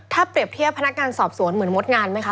ถ้าเปรียบเทียบพนักงานสอบสวนเหมือนงดงานไหมคะ